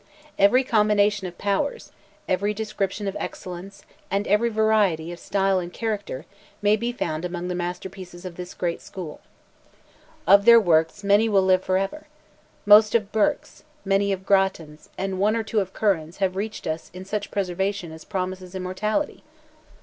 Every combination of powers, every description of excellence, and every variety of style and character, may be found among the masterpieces of this great school. Of their works many will live for ever. Most of Burke's, many of Grattan's, and one or two of Curran's have reached us in such preservation as promises immortality.